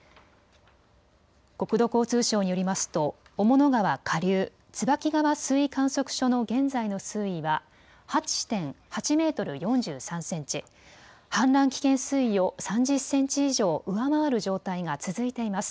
国土交通省によりますと雄物川下流、椿川水位観測所の現在の水位は８メートル４３センチ、氾濫危険水位を３０センチ以上上回る状態が続いています。